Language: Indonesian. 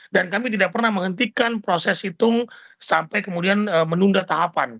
dan kami tidak pernah menghentikan proses hitung sampai kemudian menunda tahapan